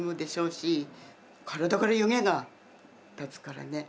し体から湯気が立つからね。